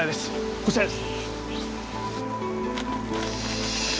こちらです。